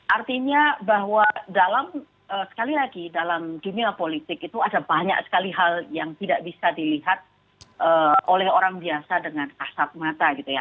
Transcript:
artinya bahwa dalam sekali lagi dalam dunia politik itu ada banyak sekali hal yang tidak bisa dilihat oleh orang biasa dengan asap mata gitu ya